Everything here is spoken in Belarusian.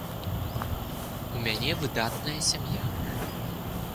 У мяне выдатная сям'я.